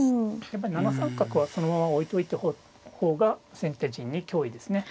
やっぱり７三角はそのまま置いといた方が先手陣に脅威ですね。